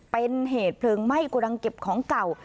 เป็นเหตุเพลิงไหม้โกดังเก็บของเก่า